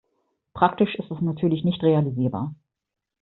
Praktisch ist das natürlich nicht realisierbar.